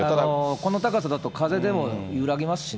この高さだと風でも揺らぎますしね。